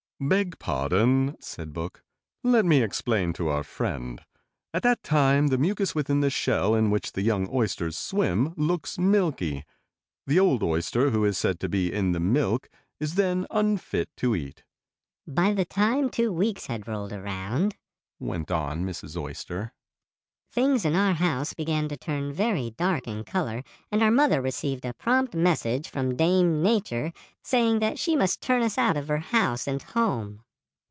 "Beg pardon," said Book. "Let me explain to our friend. At that time the mucus within the shell in which the young oysters swim looks milky. The old oyster, who is said to be in the milk, is then unfit to eat." "By the time two weeks had rolled around," went on Mrs. Oyster, "things in our house began to turn very dark in color and our mother received a prompt message from Dame Nature saying that she must turn us out of her house and home.